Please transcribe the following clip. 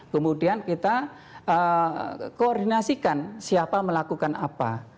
kemudian kita koordinasikan siapa melakukan apa